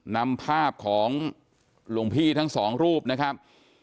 นำภาพของหลวงพี่ทั้งสองรูปนะครับ